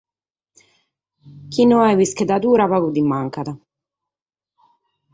Si no est un’ischedadura pagu bi mancat.